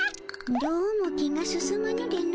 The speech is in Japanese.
どうも気が進まぬでの。